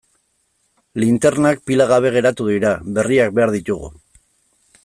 Linternak pila gabe geratu dira, berriak behar ditugu.